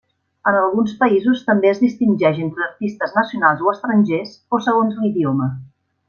En alguns països també es distingeix entre artistes nacionals o estrangers, o segons l'idioma.